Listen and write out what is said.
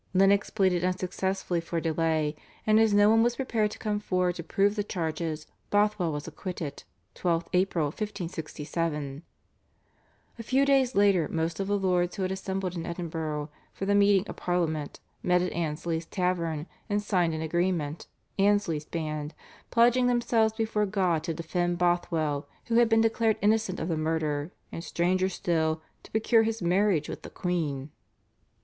Lennox pleaded unsuccessfully for a delay, and as no one was prepared to come forward to prove the charges, Bothwell was acquitted (12th April 1567). A few days later most of the lords who had assembled in Edinburgh for the meeting of Parliament met at Ainslie's tavern and signed an agreement (Ainslie's Band) pledging themselves before God to defend Bothwell who had been declared innocent of the murder, and, stranger still, to procure his marriage with the queen.